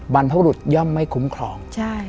บรรพบรุษย่อมไม่คุ้มครอง